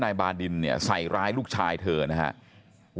บาดินเนี่ยใส่ร้ายลูกชายเธอนะครับ